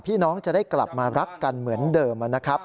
น้องจะได้กลับมารักกันเหมือนเดิมนะครับ